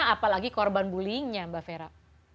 apalagi korban bullyingnya mbak fera